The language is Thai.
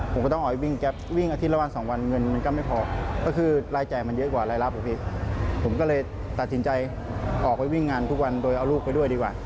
ผมก็เลยตัดสินใจออกไปวิ่งงานทุกวันด้วยด้วยดีกว่า